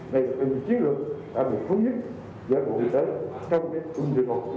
đây là cái chiến lược đã bị phối giúp giả bộ y tế trong đất quân địa ngục